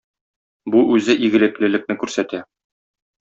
Бу үзе игелеклелекне күрсәтә.